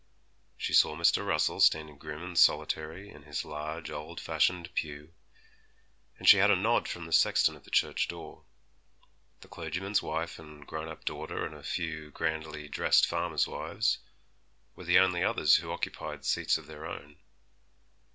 She saw Mr. Russell standing grim and solitary in his large, old fashioned pew; and she had a nod from the sexton at the church door. The clergyman's wife and grown up daughter and a few grandly dressed farmers' wives were the only others who occupied seats of their own.